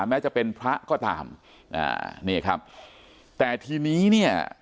แม้จะเป็นพระก็ตามอ่านี่ครับแต่ทีนี้เนี่ย